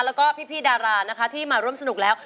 แล้วก็พี่ดารานะคะที่มาร่วมสนุกแล้ว